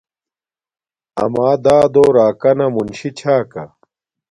اما دادو راکانا منشی چھا کا